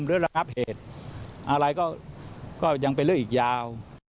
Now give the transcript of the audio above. ระงับเหตุอะไรก็ยังเป็นเรื่องอีกยาว